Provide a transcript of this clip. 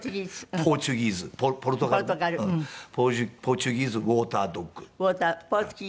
ポーチュギーズ・ウォーター・ドッグ。